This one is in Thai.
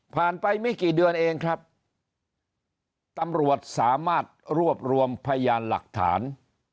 ไปไม่กี่เดือนเองครับตำรวจสามารถรวบรวมพยานหลักฐาน